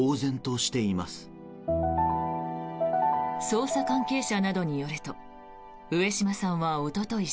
捜査関係者などによると上島さんはおととい